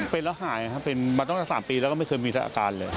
เป็นแล้วหายครับเป็นมาตั้งแต่๓ปีแล้วก็ไม่เคยมีอาการเลย